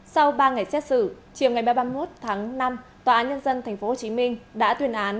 sau ba ngày xét xử chiều ngày ba mươi một tháng năm tòa án nhân dân tp hcm đã tuyên án